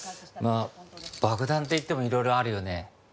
まあ爆弾っていってもいろいろあるよね。